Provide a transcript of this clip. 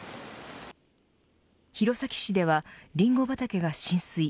弘前市ではリンゴ畑が浸水。